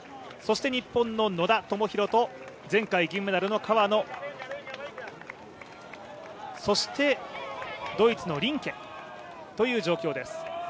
そして日本の野田明宏と、前回銀メダルの川野そして、ドイツのリンケという状況です。